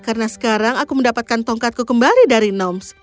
karena sekarang aku mendapatkan tongkatku kembali dari noms